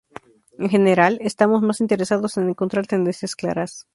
En general, estamos más interesados en encontrar tendencias claras.